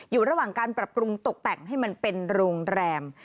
อยู่ระหว่างการปรับปรุงตกแต่งให้มันเป็นโรงแรม